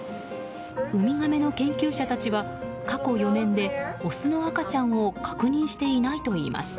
ウミガメの研究者たちは過去４年でオスの赤ちゃんを確認していないといいます。